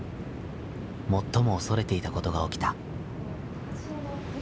最も恐れていたことが起きた。